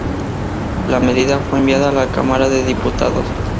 La medida fue enviada a la Cámara de Diputados.